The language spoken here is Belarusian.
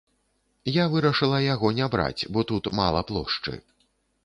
Я вырашыла яго не браць, бо тут мала плошчы.